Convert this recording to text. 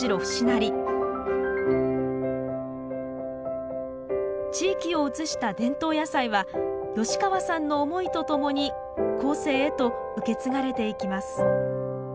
成地域を映した伝統野菜は吉川さんの思いとともに後世へと受け継がれていきます